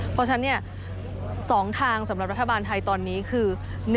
เพราะฉะนั้น๒ทางสำหรับรัฐบาลไทยตอนนี้คือ